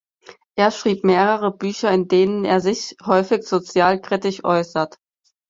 Er schrieb mehrere Bücher, in denen er sich häufig sozialkritisch äußert.